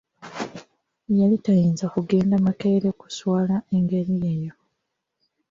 Yali tayinza kugenda makerere kuswala ngeri eyo.